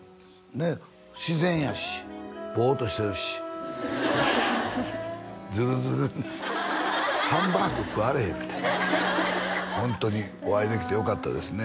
ねっ自然やしボーッとしてるしズルズルになってハンバーグ食われへんってホントにお会いできてよかったですね